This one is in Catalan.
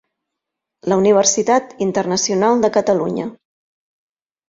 La Universitat Internacional de Catalunya.